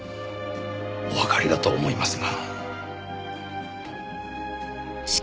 おわかりだと思いますが。